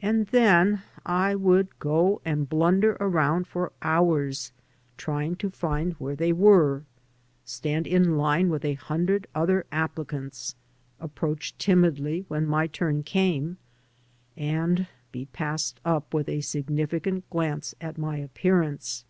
And then I would go and blunder around for hours, trying to find where they were, stand in line with a hundred other applicants, approach timidly when my turn came, and be passed up with a significant glance at my appearance.